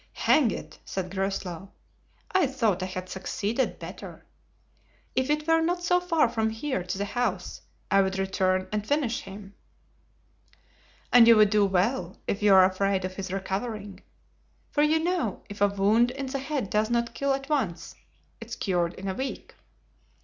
"Hang it," said Groslow, "I thought I had succeeded better. If it were not so far from here to the house I would return and finish him." "And you would do well, if you are afraid of his recovering; for you know, if a wound in the head does not kill at once, it is cured in a week."